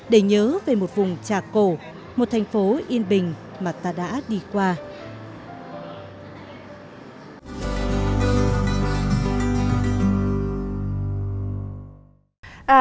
để nhớ về một vùng trà cổ một thành phố yên bình mà ta đã đi qua